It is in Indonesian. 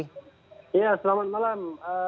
iya selamat malam